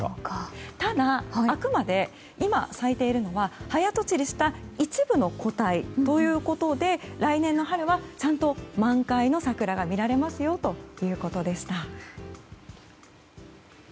ただ、あくまで今咲いているのは早とちりした一部の個体ということで来年の春は、ちゃんと満開の桜が見られますよということでした。